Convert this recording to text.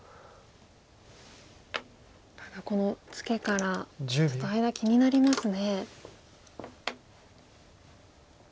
ただこのツケからちょっと間気になりますね。